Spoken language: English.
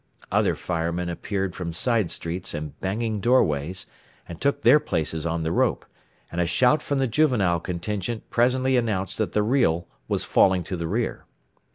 Other firemen appeared from side streets and banging doorways, and took their places on the rope, and a shout from the juvenile contingent presently announced that the reel was falling to the rear.